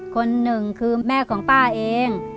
คนหนึ่งคือแม่ของป้าเอง